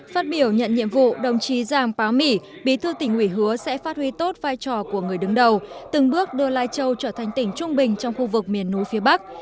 phát biểu nhận nhiệm vụ đồng chí giàng báo mỹ bí thư tỉnh ủy hứa sẽ phát huy tốt vai trò của người đứng đầu từng bước đưa lai châu trở thành tỉnh trung bình trong khu vực miền núi phía bắc